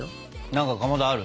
何かかまどある？